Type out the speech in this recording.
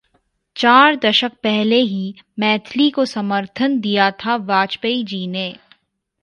चार दशक पहले ही मैथिली को समर्थन दिया था वाजपेयी जी ने